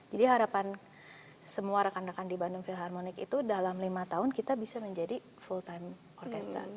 jadi harapan semua rekan rekan di bandung philharmonic itu dalam lima tahun kita bisa menjadi full time orchestra